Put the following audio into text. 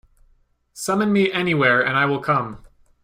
Summon me anywhere, and I will come.